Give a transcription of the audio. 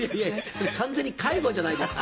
完全に介護じゃないですか。